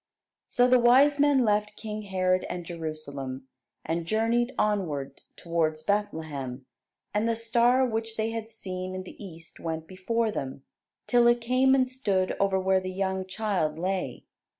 So the wise men left King Herod and Jerusalem, and journeyed onward towards Bethlehem; and the star which they had seen in the East went before them, till it came and stood over where the young child lay.